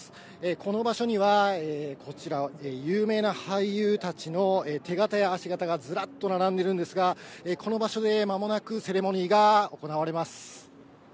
この場所には、こちら、有名な俳優たちの手形や足型がずらっと並んでるんですが、この場所でまもなくセレモニーが行われます。